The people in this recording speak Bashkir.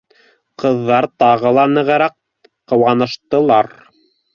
Ҡыҙҙар тағы ла нығыраҡ ҡыуаныштылар.